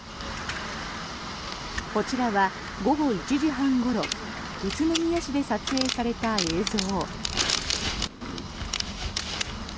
こちらは午後１時半ごろ宇都宮市で撮影された映像。